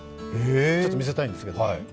ちょっと見せたいんですけど。